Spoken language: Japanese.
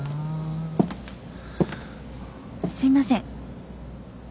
・すいません。